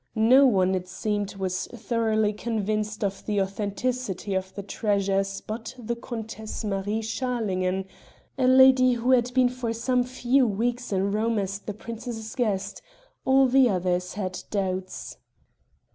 No one, it seemed, was thoroughly convinced of the authenticity of the treasures but the Countess Marie Schalingen, a lady who had been for some few weeks in Rome as the princess's guest; all the others had doubts.